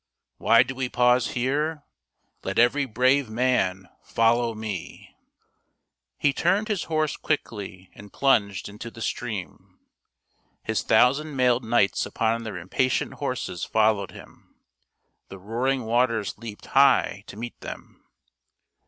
Why do we pause here ? Let every brave man follow me!" 126 THIRTY MORE FAMOUS STORIES He turned his horse quickly and plunged into the stream. His thousand mailed knights upon their impatient horses followed him. The roaring waters leaped high to meet them.